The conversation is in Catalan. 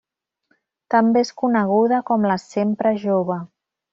També és coneguda com la Sempre Jove.